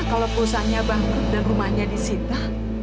kalau pusatnya bangkrut dan rumahnya disita